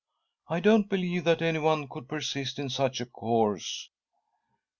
I don't believe that anyone could persist in such a course."